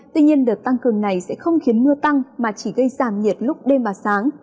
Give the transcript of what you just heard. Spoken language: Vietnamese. tuy nhiên đợt tăng cường này sẽ không khiến mưa tăng mà chỉ gây giảm nhiệt lúc đêm và sáng